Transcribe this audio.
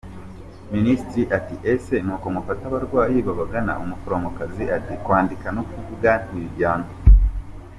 Minisitiri ati “Ese ni uko mufata abarwayi babagana?” ; Umuforomokazi ati “Kwandika no kuvuga ntibijyana.